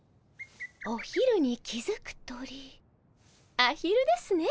お昼に気付く鳥アヒルですね。